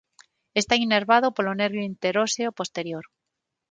Está innervado polo nervio interóseo posterior.